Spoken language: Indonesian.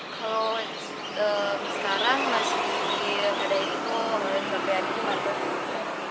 kalau sekarang masih ada itu kemudian sampai hari jumat